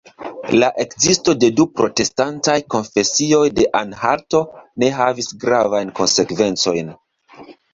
La ekzisto de du protestantaj konfesioj en Anhalto ne havis gravajn konsekvencojn.